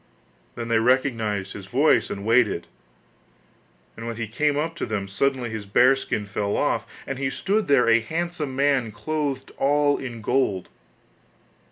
Then they recognized his voice and waited, and when he came up to them suddenly his bearskin fell off, and he stood there a handsome man, clothed all in gold.